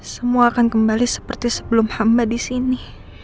semua akan kembali seperti sebelum hamba disini